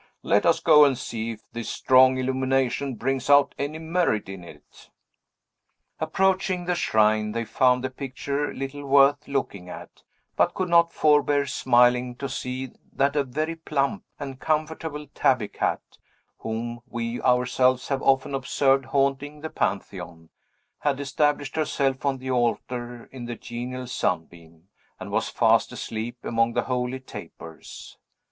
"Let us go and see if this strong illumination brings out any merit in it." Approaching the shrine, they found the picture little worth looking at, but could not forbear smiling, to see that a very plump and comfortable tabby cat whom we ourselves have often observed haunting the Pantheon had established herself on the altar, in the genial sunbeam, and was fast asleep among the holy tapers.